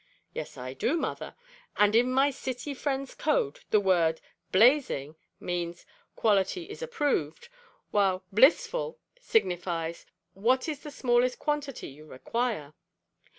"Yes I do, mother, and in my City friend's code the word `_Blazing_' means `_Quality is approved_,' while `_Blissful_' signifies `What is the smallest quantity you require?'"